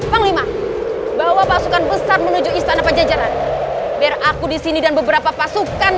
panglima bawa pasukan besar menuju istana pajajaran biar aku disini dan beberapa pasukan